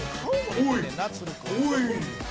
おい、おい。